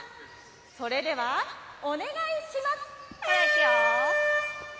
それではお願いします。